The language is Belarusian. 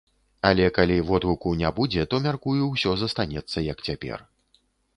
Але калі водгуку не будзе, то, мяркую, усё застанецца як цяпер.